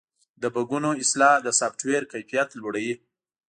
د بګونو اصلاح د سافټویر کیفیت لوړوي.